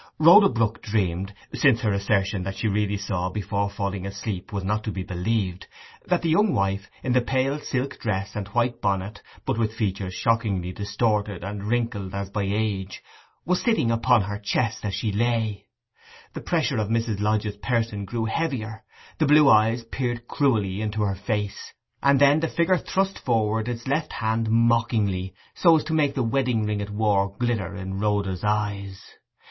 Rhoda Brook dreamed—since her assertion that she really saw, before falling asleep, was not to be believed—that the young wife, in the pale silk dress and white bonnet, but with features shockingly distorted, and wrinkled as by age, was sitting upon her chest as she lay. The pressure of Mrs. Lodge's person grew heavier; the blue eyes peered cruelly into her face; and then the figure thrust forward its left hand mockingly, so as to make the wedding ring it wore glitter in Rhoda's eyes.